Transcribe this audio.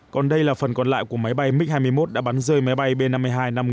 còn đây là phần còn lại của máy bay mig hai mươi một đã bắn rơi máy bay b năm mươi hai năm mươi